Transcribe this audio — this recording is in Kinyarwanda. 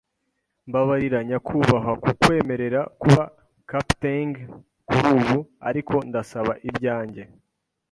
mbabarira, nyakubahwa, kukwemerera kuba captaing kurubu; ariko ndasaba ibyanjye